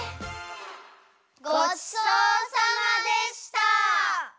ごちそうさまでした！